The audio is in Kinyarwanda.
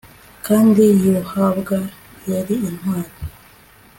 kandi yubahwa. yari intwari